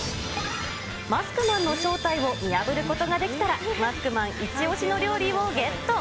マスクマンの正体を見破ることができたら、マスクマン一押しの料理をゲット。